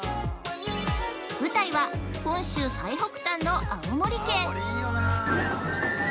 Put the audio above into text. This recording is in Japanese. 舞台は、本州最北端の青森県。